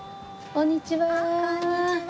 こんにちは。